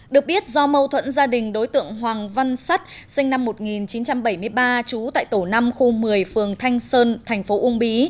được biết do mâu thuẫn gia đình đối tượng hoàng văn sắt sinh năm một nghìn chín trăm bảy mươi ba trú tại tổ năm khu một mươi phường thanh sơn thành phố uông bí